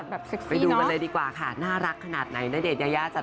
และวันนี้ขอบอกได้กันเข้าคุณที่ด้านของผมครับ